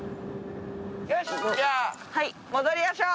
よしじゃあ戻りましょう！